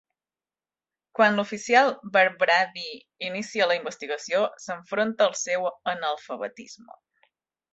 Quan l'oficial Barbrady inicia la investigació, s'enfronta al seu analfabetisme.